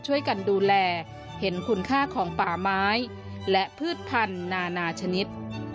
ช่วยกันดูแลเห็นคุณค่าของป่าไม้และพืชพันธุ์นานาชนิด